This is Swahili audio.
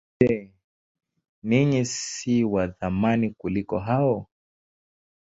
Je, ninyi si wa thamani kuliko hao?